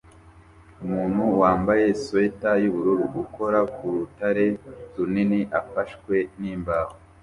Umuntu wambaye swater yubururu ukora ku rutare runini afashwe nimbaho